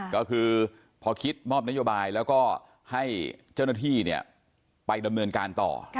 ก็คือพอคิดมอบนโยบายแล้วก็ให้เจ้าหน้าที่ไปดำเนินการต่อ